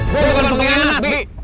gue bukan pengkhianat bi